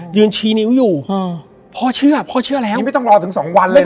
ชี้นิ้วอยู่พ่อเชื่อพ่อเชื่อแล้วนี่ไม่ต้องรอถึงสองวันเลยเห